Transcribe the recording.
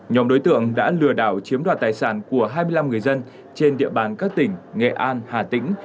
nhóm đối tượng đã lừa đảo chiếm đoạt tài sản của hai mươi năm người dân trên địa bàn các tỉnh nghệ an hà tĩnh